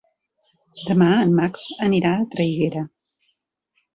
Demà en Max anirà a Traiguera.